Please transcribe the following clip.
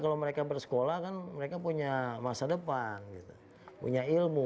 karena mereka bersekolah mereka punya masa depan punya ilmu